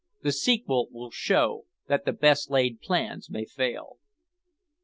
The sequel will show that the best laid plans may fail.